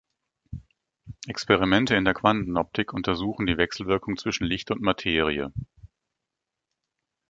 Experimente in der Quantenoptik untersuchen die Wechselwirkung zwischen Licht und Materie.